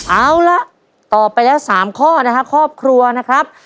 เอาละตอบไปแล้ว๓ข้อนะครับครอบครัวนะครับ